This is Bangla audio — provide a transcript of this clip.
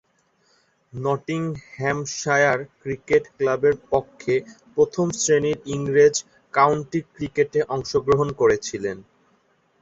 নটিংহ্যামশায়ার ক্রিকেট ক্লাবের পক্ষে প্রথম-শ্রেণীর ইংরেজ কাউন্টি ক্রিকেটে অংশগ্রহণ করেছিলেন।